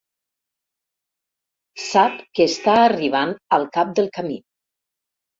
Sap que està arribant al cap del camí.